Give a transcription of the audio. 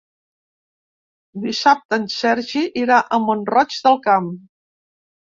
Dissabte en Sergi irà a Mont-roig del Camp.